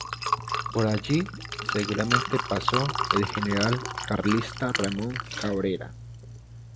Por allí seguramente pasó el general carlista Ramón Cabrera.